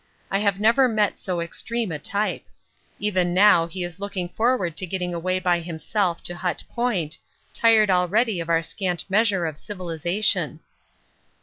I have never met so extreme a type. Even now he is looking forward to getting away by himself to Hut Point, tired already of our scant measure of civilisation.